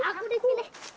aku di sini